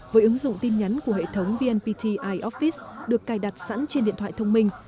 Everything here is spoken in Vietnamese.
với ứng dụng tin nhắn của hệ thống vnpt ioffice được cài đặt sẵn trên điện thoại thông minh